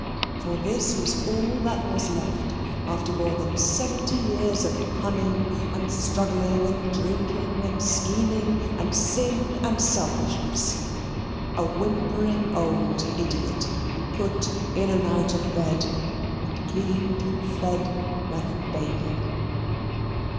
For this was all that was left after more than seventy years of cunning, and struggling, and drinking, and scheming, and sin and selfishness a whimpering old idiot put in and out of bed and cleaned and fed like a baby.